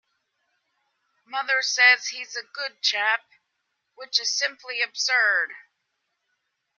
Mother says he's a good chap, which is simply absurd.